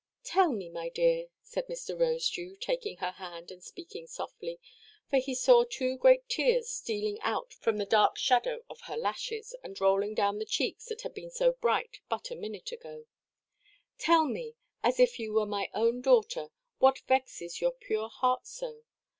"Tell me, my dear," said Mr. Rosedew, taking her hand, and speaking softly, for he saw two great tears stealing out from the dark shadow of her lashes, and rolling down the cheeks that had been so bright but a minute ago; "tell me, as if you were my own daughter, what vexes your pure heart so.